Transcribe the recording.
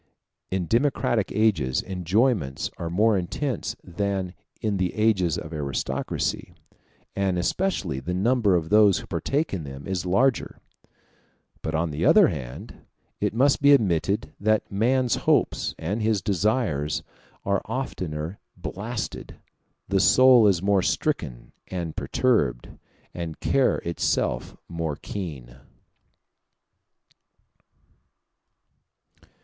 In democratic ages enjoyments are more intense than in the ages of aristocracy, and especially the number of those who partake in them is larger: but, on the other hand, it must be admitted that man's hopes and his desires are oftener blasted, the soul is more stricken and perturbed, and care itself more keen.